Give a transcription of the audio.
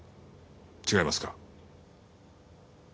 違いますか？